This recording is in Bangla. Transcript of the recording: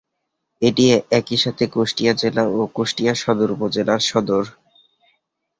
এটি একইসাথে কুষ্টিয়া জেলা ও কুষ্টিয়া সদর উপজেলার সদর।